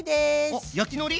あっ焼きのり？